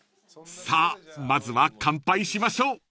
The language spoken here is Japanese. ［さあまずは乾杯しましょう］